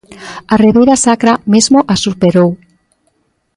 A Ribeira Sacra mesmo as superou.